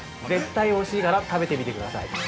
絶対おいしいから、食べてみてください。